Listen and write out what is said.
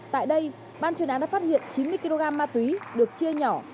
tại đây ban chuyên án đã phát hiện chín mươi kg ma túy được chia nhỏ